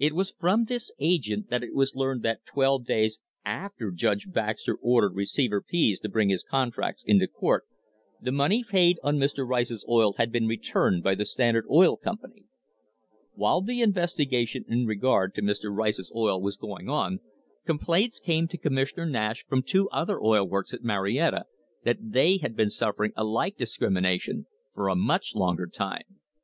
It was from this agent that it was learned that, twelve days after Judge Baxter ordered Receiver Pease to bring his contracts into court, the money paid on Mr. Rice's oil had been returned by the Standard Oil Company.* While the investigation in regard to Mr. Rice's oil was going on, complaints came to Commissioner Nash from two other oil works at Marietta that they had been suffering a like discrimination for a much longer time.